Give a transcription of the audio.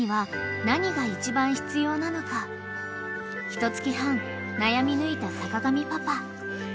［ひとつき半悩み抜いた坂上パパ］